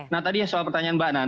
nah tadi soal pertanyaan mbak nana